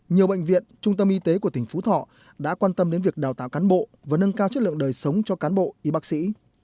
nhiều bệnh viện trung tâm y tế của tỉnh phú thọ đã quan tâm đến việc đào tạo cán bộ và nâng cao chất lượng đời sống cho cán bộ y bác sĩ